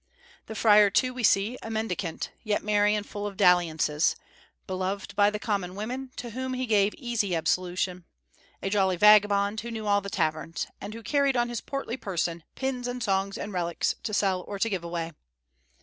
The friar, too, we see, a mendicant, yet merry and full of dalliances, beloved by the common women, to whom he gave easy absolution; a jolly vagabond, who knew all the taverns, and who carried on his portly person pins and songs and relics to sell or to give away.